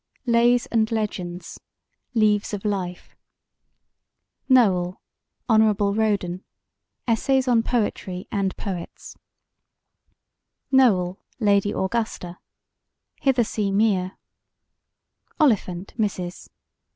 Lays and Legends Leaves of Life NOEL, HON. RODEN: Essays on Poetry and Poets NOEL, LADY AUGUSTA: Hithersea Mere OLIPHANT, MRS.